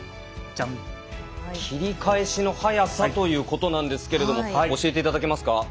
切り返しの速さということなんですけれども教えていただけますか。